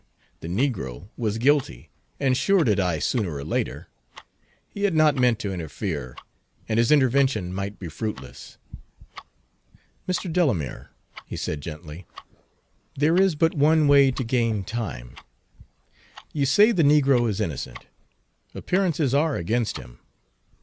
The negro was guilty, and sure to die sooner or later. He had not meant to interfere, and his intervention might be fruitless. "Mr. Delamere," he said gently, "there is but one way to gain time. You say the negro is innocent. Appearances are against him.